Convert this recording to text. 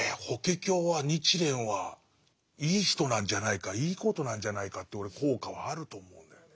「法華経」は日蓮はいい人なんじゃないかいいことなんじゃないかって俺効果はあると思うんだよね。